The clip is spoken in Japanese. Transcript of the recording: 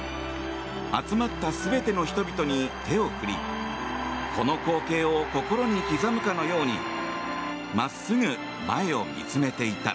集まった全ての人々に手を振りこの光景を心に刻むかのように真っすぐ、前を見つめていた。